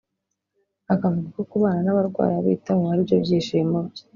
akavuga ko kubana n’abarwayi abitaho ari byo byishimo bye